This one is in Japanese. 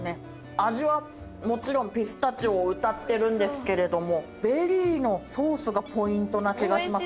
味はもちろんピスタチオをうたってるんですけれどもベリーのソースがポイントな気がします。